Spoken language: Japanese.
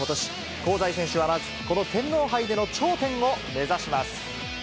香西選手はまず、この天皇杯での頂点を目指します。